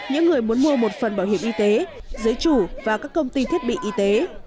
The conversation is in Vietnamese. những người muốn mua một phần bảo hiểm y tế giới chủ và các công ty thiết bị y tế